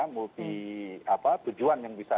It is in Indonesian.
multitujuan yang bisa